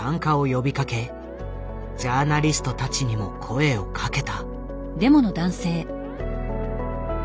ジャーナリストたちにも声をかけた。